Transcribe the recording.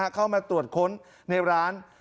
เข้ามาตรวจค้นในร้าน